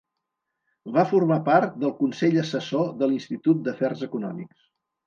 Va formar part del consell assessor de l'Institut d'Afers Econòmics.